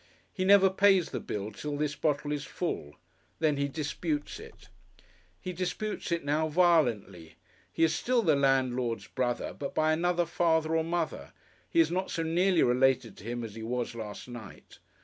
He never pays the bill till this bottle is full. Then he disputes it. He disputes it now, violently. He is still the landlord's brother, but by another father or mother. He is not so nearly related to him as he was last night.